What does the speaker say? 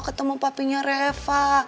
ketemu papinya reva